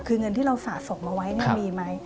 คือเงินที่เราสะสมมาไว้มีไหม